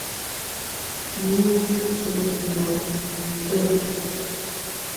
¿ʼÑu sje kjimá ʼnsje?